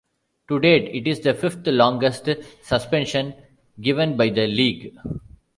To date, it is the fifth-longest suspension given by the League.